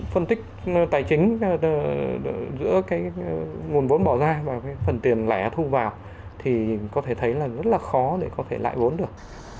phân tích tài chính giữa cái nguồn vốn bỏ ra và phần tiền lẻ thu vào thì có thể thấy là rất là khó để có thể lại vốn được